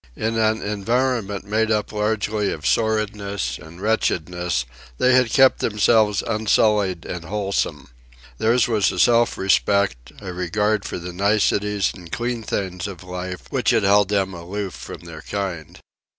In an environment made up largely of sordidness and wretchedness they had kept themselves unsullied and wholesome. Theirs was a self respect, a regard for the niceties and clean things of life, which had held them aloof from their kind.